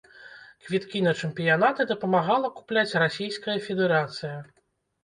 Квіткі на чэмпіянаты дапамагала купляць расійская федэрацыя.